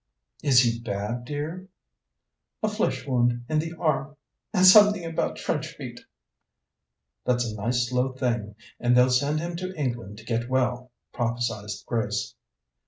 "Is he bad, dear?" "A flesh wound in the arm, and something about trench feet." "That's a nice slow thing, and they'll send him to England to get well," prophesied Grace.